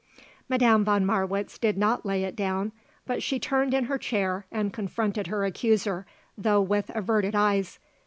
Madame von Marwitz did not lay it down, but she turned in her chair and confronted her accuser, though with averted eyes.